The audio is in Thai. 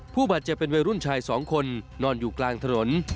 ผู้บาดเจ็บเป็นวัยรุ่นชายสองคนนอนอยู่กลางถนน